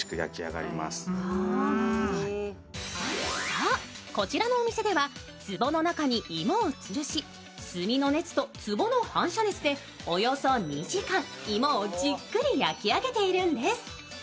そう、こちらのお店では、つぼの中に芋をつるし炭の熱とつぼの反射熱でおよそ２時間およそ２時間芋をじっくり焼き上げているんです。